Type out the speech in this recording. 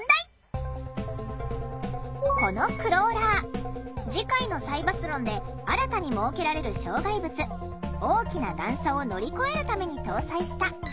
このクローラー次回のサイバスロンで新たに設けられる障害物大きな段差を乗り越えるために搭載した。